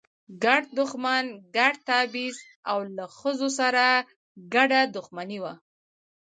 ګډ دښمن، ګډ تبعیض او له ښځو سره ګډه دښمني وه.